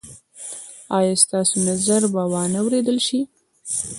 ایا ستاسو نظر به وا نه وریدل شي؟